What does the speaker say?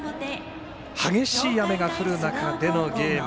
激しい雨が降る中でのゲーム。